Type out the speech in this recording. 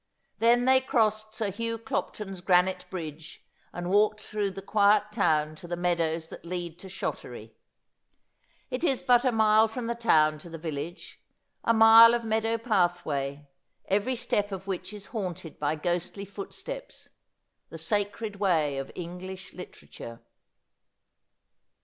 Then they crossed Sir Hugh Clopton's granite bridge, and walked through the quiet town to the meadows that lead to Shottery. It is but a mile from the town to the village, a mile of meadow pathway, every step of which is haunted by ghostly footsteps — the Sacred Way of English literature.